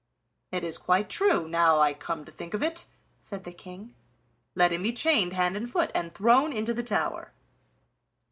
"It is quite true, now I come to think of it," said the King. "Let him be chained hand and foot, and thrown into the tower."